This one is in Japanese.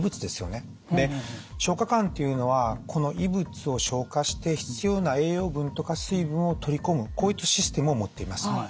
で消化管っていうのはこの異物を消化して必要な栄養分とか水分を取り込むこういったシステムを持っています。